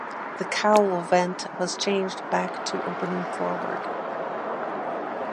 The cowl vent was changed back to opening forward.